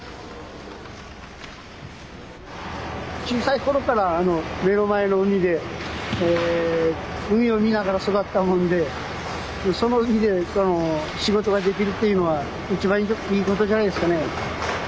小さい頃から目の前の海で海を見ながら育ったもんでその海で仕事ができるっていうのは一番いいことじゃないですかね。